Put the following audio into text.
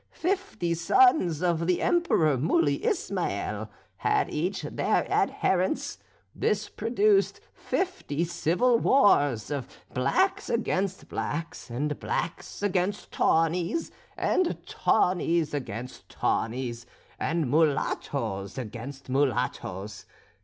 Fifty sons of the Emperor Muley Ismael had each their adherents; this produced fifty civil wars, of blacks against blacks, and blacks against tawnies, and tawnies against tawnies, and mulattoes against mulattoes.